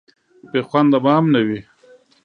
بې خونده به هم نه وي.